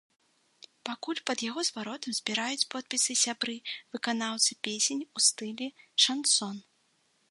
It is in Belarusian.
Пакуль пад яго зваротам збіраюць подпісы сябры выканаўцы песень у стылі шансон.